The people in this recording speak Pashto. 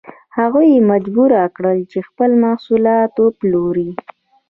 هغوی یې مجبور کړل چې خپل محصولات وپلوري.